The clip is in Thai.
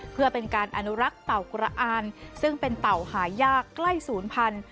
เพื่อเป็นการอนุรักษ์เต่ากระอ่านซึ่งเป็นเต่าหายากใกล้ศูนย์พันธุ